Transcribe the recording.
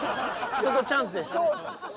そこチャンスでしたね。